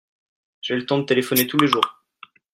J'ai le temps de téléphoner tous les jours.